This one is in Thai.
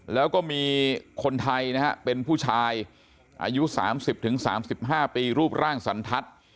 แล้วก็มีคนไทยนะฮะเป็นผู้ชายอายุ๓๐๓๕ปีรูปร่างสันทัศน์